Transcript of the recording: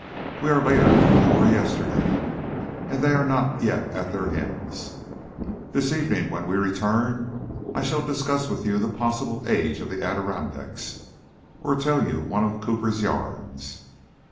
We are later than we were yesterday, and they are not at their hymns. This evening when we return I shall discuss with you the possible age of the Adirondacks, or tell you one of Cooper's yarns."